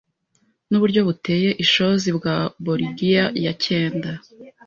Nuburyo buteye ishozi bwa Bolgiya ya cyenda